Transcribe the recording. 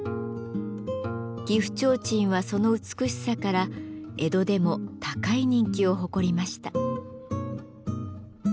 岐阜提灯はその美しさから江戸でも高い人気を誇りました。